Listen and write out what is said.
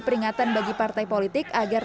peringatan bagi partai politik agar